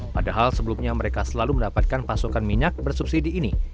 padahal sebelumnya mereka selalu mendapatkan pasokan minyak bersubsidi ini